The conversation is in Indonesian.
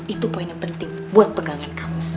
itu poin yang penting buat pegangan kamu